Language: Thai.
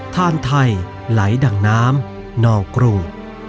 ทางไทยไหลดั่งน้ำนอกรู